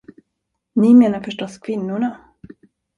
Ni menar förstås kvinnorna.